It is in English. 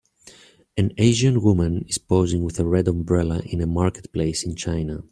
An Asian woman is posing with a red umbrella in a marketplace in China.